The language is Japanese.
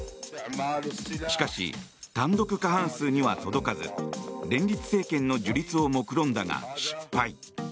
しかし単独過半数には届かず連立政権の樹立をもくろんだが失敗。